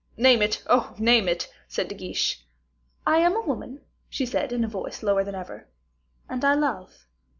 "Name it, oh! name it," said De Guiche. "I am a woman," she said, in a voice lower than ever, "and I love."